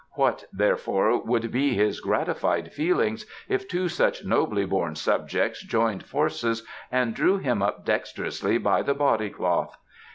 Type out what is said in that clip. What, therefore, would be his gratified feelings if two such nobly born subjects joined forces and drew him up dexterously by the body cloth?